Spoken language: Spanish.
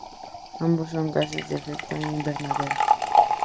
Ambos son gases de efecto invernadero.